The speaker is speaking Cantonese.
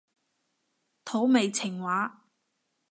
土味情話